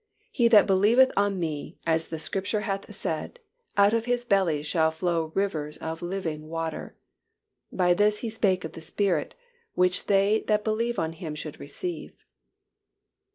He that believeth on Me, as the Scripture hath said, out of his belly shall flow rivers of living water. (But this spake He of the Spirit, which they that believe on Him should receive.)"